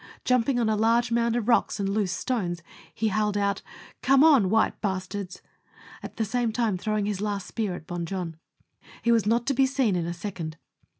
Jumping on a large mound of rocks and loose stones, he howled out, " Come on, white b ," at the same time throwing his last spear at Bon Jon. He was not to be seen in a. second.